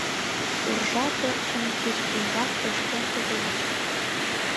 Уржа пырчым кӱч ӱмбак пыштен тодылеш.